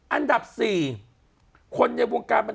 อันดับ๔คนในวงการบัน